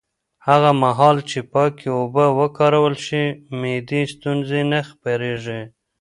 هغه مهال چې پاکې اوبه وکارول شي، معدي ستونزې نه خپرېږي.